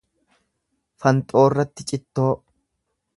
Fanxoorratti cittoo.